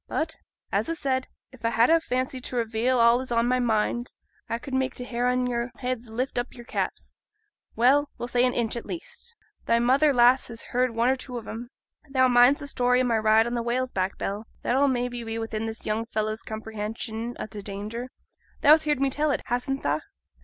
But, as a said, if a had a fancy to reveal all as is on my mind a could make t' hair on your heads lift up your caps well, we'll say an inch, at least. Thy mother, lass, has heerd one or two on 'em. Thou minds the story o' my ride on a whale's back, Bell? That'll maybe be within this young fellow's comprehension o' t' danger; thou's heerd me tell it, hastn't ta?'